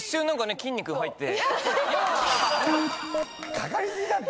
かかり過ぎだって。